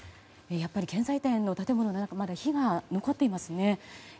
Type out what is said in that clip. やっぱり建材店の建物の中まだ火が残っていますね。